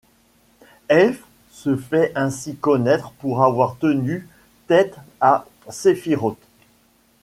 Elfe se fait ainsi connaître pour avoir tenu tête à Sephiroth.